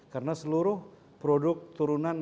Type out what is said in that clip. karena seluruh produk turunan